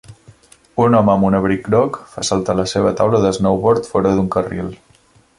Un home amb un abric groc fa saltar la seva taula de snowboard fora d'un carril.